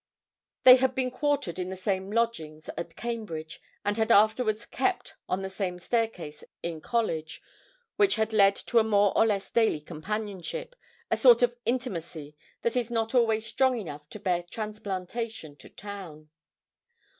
They had been quartered in the same lodgings at Cambridge, and had afterwards 'kept' on the same staircase in college, which had led to a more or less daily companionship, a sort of intimacy that is not always strong enough to bear transplantation to town.